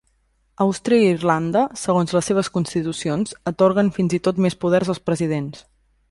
Àustria i Irlanda, segons les seves constitucions, atorguen fins i tot més poders als presidents.